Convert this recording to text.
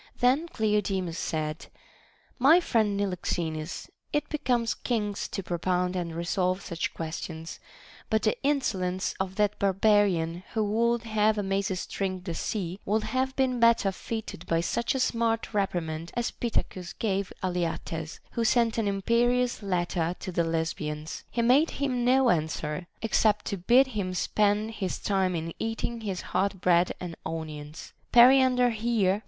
Then Cleodemus said : My friend Niloxenus, it becomes kings to propound and resolve such questions ; but the insolence of that barbarian who would have Amasis drink the sea would have been better fitted by such a smart reprimand as Pitta cus gave Alyattes, who sent an imperious letter to the THE BANQUET OF THE SEVEN WISE MEN. ] 9 Lesbians. He made him no answer, except to bid him spend his time in eating his hot bread and onions. Periander here.